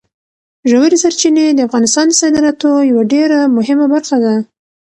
ژورې سرچینې د افغانستان د صادراتو یوه ډېره مهمه برخه ده.